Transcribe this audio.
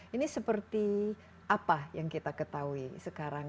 ini seperti apa yang kita ketahui sekarang